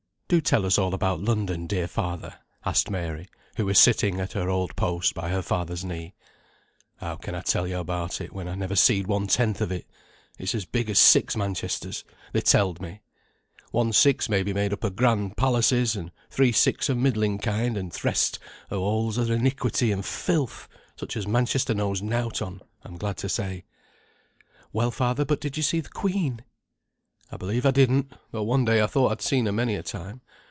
"Do tell us all about London, dear father," asked Mary, who was sitting at her old post by her father's knee. "How can I tell yo a' about it, when I never seed one tenth of it. It's as big as six Manchesters, they telled me. One sixth may be made up o' grand palaces, and three sixths o' middling kind, and th' rest o' holes o' iniquity and filth, such as Manchester knows nought on, I'm glad to say." "Well, father, but did you see th' Queen?" "I believe I didn't, though one day I thought I'd seen her many a time.